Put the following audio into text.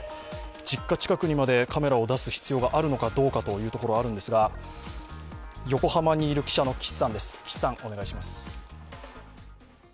実家近くにまでカメラを出すかどうかというところはあるんですが横浜にいる記者の岸さん、お願いします。